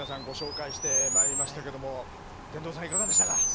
ご紹介してまいりましたけども天童さんいかがでしたか？